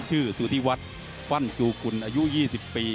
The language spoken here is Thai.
ชื่อสุธิวัฒน์วันจูกุลอายุ๒๐ปี